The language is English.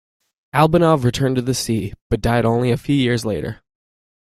Albanov returned to the sea, but died only a few years later.